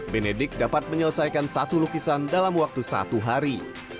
benedik dapat menyelesaikan satu lukisan dalam waktu satu hari